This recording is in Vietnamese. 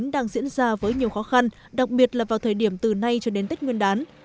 đang diễn ra với nhiều khó khăn đặc biệt là vào thời điểm từ nay cho đến tết nguyên đán